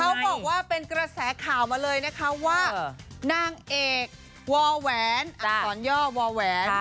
เขาบอกว่าเป็นกระแสข่าวมาเลยนะคะว่านางเอกวแหวนอักษรย่อวอแหวน